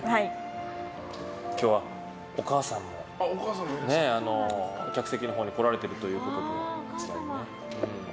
今日は、お母さんも客席のほうに来られてるということで。